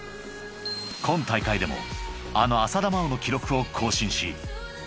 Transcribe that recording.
［今大会でもあの浅田真央の記録を更新し］